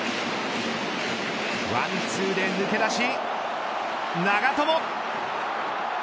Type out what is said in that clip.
ワンツーで抜け出し長友。